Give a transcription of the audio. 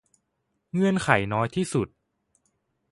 เงื่อนไขน้อยที่สุด